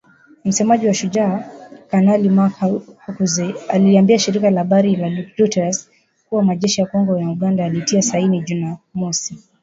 Msemaji wa Shujaa, Kanali Mak Hazukay aliliambia shirika la habari la reuters kuwa majeshi ya Kongo na Uganda yalitia saini Juni mosi.